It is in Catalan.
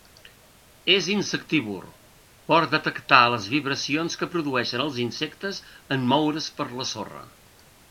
És insectívor, pot detectar les vibracions que produeixen els insectes en moure's per la sorra.